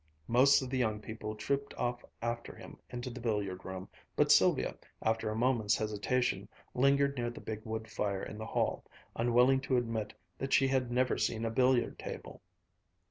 Most of the young people trooped off after him into the billiard room, but Sylvia, after a moment's hesitation, lingered near the big wood fire in the hall, unwilling to admit that she had never seen a billiard table.